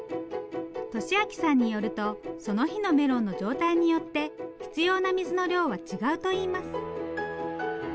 利明さんによるとその日のメロンの状態によって必要な水の量は違うといいます。